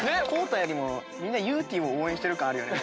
宏太よりもみんなゆーてぃーを応援してる感あるよね。